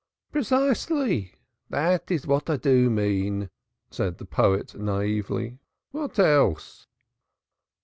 "Precisely. That is what I do mean," said the poet naively. "What else?"